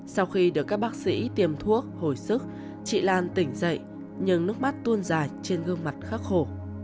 sau khi được các bác sĩ tiêm thuốc hồi sức chị lan tỉnh dậy nhưng nước mắt tuôn dài trên gương mặt khác khổ